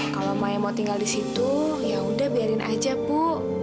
kalau maya mau tinggal di situ yaudah biarin aja bu